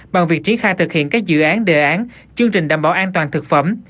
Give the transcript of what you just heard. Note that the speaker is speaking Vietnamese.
bằng việc triển khai thực hiện các dự án đề án chương trình đảm bảo an toàn thực phẩm